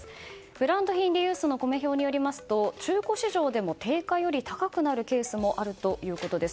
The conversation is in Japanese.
ブランド品リユースのコメ兵によりますと中古市場でも定価より高くなるケースもあるということです。